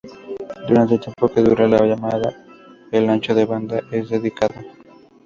Durante el tiempo que dura la llamada, el ancho de banda es dedicado.